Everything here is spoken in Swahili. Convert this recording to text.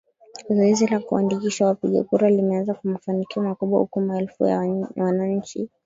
zoezi la kuandikisha wapiga kura limeanza kwa mafanikio makubwa huku maelfu ya wananchi